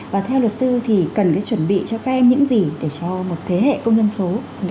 và theo luật sư thì cần chuẩn bị cho các em những gì để cho một thế hệ công dân số